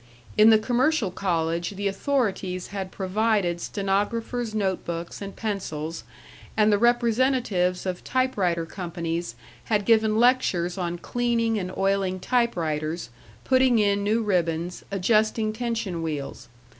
In the commercial college the authorities had provided stenographers' note books and pencils, and the representatives of typewriter companies had given lectures on cleaning and oiling typewriters, putting in new ribbons, adjusting tension wheels.